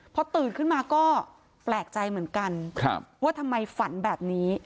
พอตื่นขึ้นมาก็แปลกใจเหมือนกันว่าทำไมฝันแบบนี้